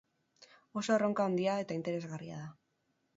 Oso erronka handia eta interesgarria da.